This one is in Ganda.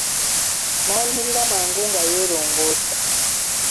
N'ayimirira mangu nga yeerongoosa.